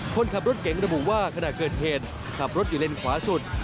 คนขับรถเก๋งระบุว่าขณะเกิดเหตุขับรถอยู่เลนขวาสุด